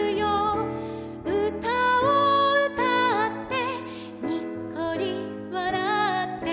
「うたをうたってにっこりわらって」